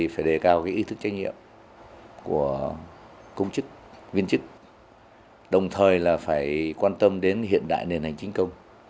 phải đề cao ý thức trách nhiệm của công chức viên chức đồng thời là phải quan tâm đến hiện đại nền hành chính công